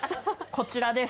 こちらです。